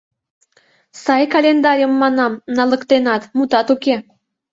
Сай календарьым, манам, налыктенат, мутат уке...